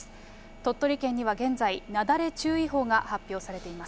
鳥取県には現在、なだれ注意報が発表されています。